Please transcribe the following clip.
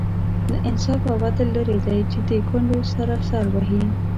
له انصاف او عدل لرې دی چې د کونډو سر سر وهي.